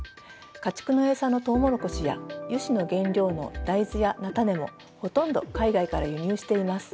家畜の餌のトウモロコシや油脂の原料の大豆や菜種もほとんど海外から輸入しています。